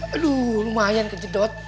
aduh lumayan kejedot